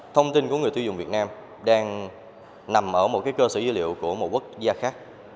thông tin của người tiêu dùng việt nam đang nằm ở một cơ sở dữ liệu của một quốc gia khác